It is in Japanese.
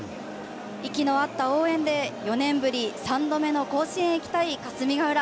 息の合った応援で４年ぶり、３度目の甲子園へ行きたい霞ヶ浦。